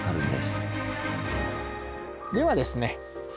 ではですね